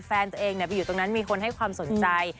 แฟนตัวเองไปอยู่ตรงนั้นมีคนให้ความสนใจ